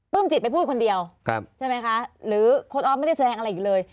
จิตไปพูดคนเดียวใช่ไหมคะหรือคุณออฟไม่ได้แสดงอะไรอีกเลย